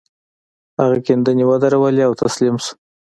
هغه کيندنې ودرولې او تسليم شو.